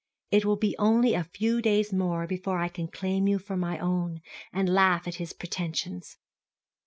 It will be only a few days more before I can claim you for my own, and laugh at his pretensions.